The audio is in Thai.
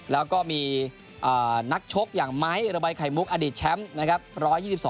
แล้วก็มีนักชกอย่างไม้ระบายไข่มุกอดีตแชมป์นะครับ